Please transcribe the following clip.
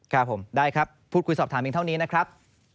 ครับผมได้ครับพูดคุยสอบถามเพียงเท่านี้นะครับ